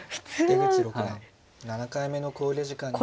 出口六段７回目の考慮時間に入りました。